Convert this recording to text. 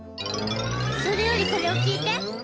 それよりこれを聞いて。